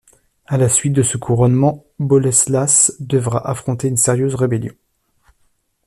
À la suite de ce couronnement, Boleslas devra affronter une sérieuse rébellion.